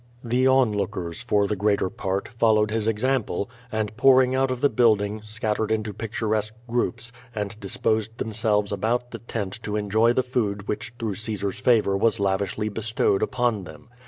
The on lookers, for the greater part, followed his example, arid, pouring out of the building, scattered into picturesque groups, and disposed themselves about the tent to enjoy the food which through Caesar's favor was lavishly bestowed upon them.